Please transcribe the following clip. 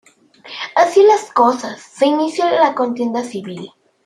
Así las cosas, se inicia la contienda civil.